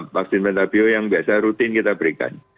vaksin mentabio yang biasa rutin kita berikan